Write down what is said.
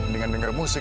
dengan denger musik